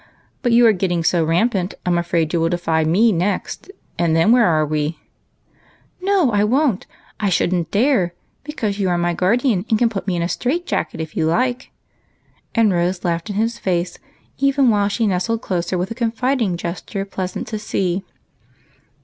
but you are getting so rampant, I 'm afraid you will defy me next, and then where are we ?"" No, I won't ! I should n't dare ; because you are my guardian, and can put me in a strait jacket if you like;" and Rose laughed in his face, even while she nestled closer with a confiding gesture pleasant to see.